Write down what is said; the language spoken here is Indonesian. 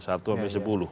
satu sampai sepuluh